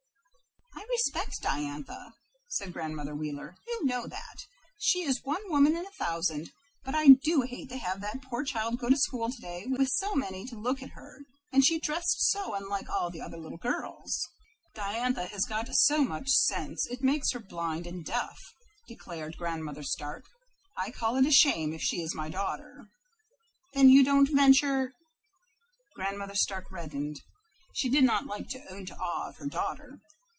"I respect Diantha," said Grandmother Wheeler. "You know that. She is one woman in a thousand, but I do hate to have that poor child go to school to day with so many to look at her, and she dressed so unlike all the other little girls." "Diantha has got so much sense, it makes her blind and deaf," declared Grandmother Stark. "I call it a shame, if she is my daughter." "Then you don't venture " Grandmother Stark reddened. She did not like to own to awe of her daughter.